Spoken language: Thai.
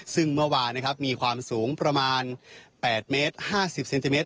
ซึ่งเมื่อวานนะครับมีความสูงประมาณ๘เมตร๕๐เซนติเมต